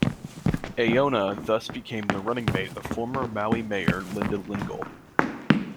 Aiona thus became the running mate of former Maui Mayor Linda Lingle.